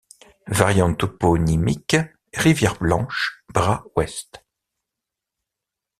Variante toponymique: Rivière Blanche Bras Ouest.